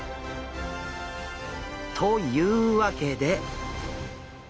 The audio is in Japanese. というわけで。